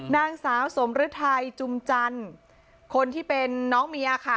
นางสาวสมฤทัยจุมจันทร์คนที่เป็นน้องเมียค่ะ